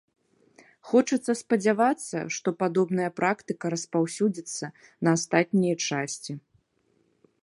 Хочацца спадзявацца, што падобная практыка распаўсюдзіцца на астатнія часці.